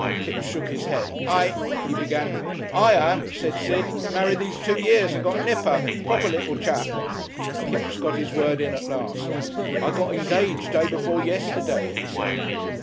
Kipps shook his head, "I " he began. "I am," said Sid. "Married these two years and got a nipper. Proper little chap." Kipps got his word in at last. "I got engaged day before yesterday," he said.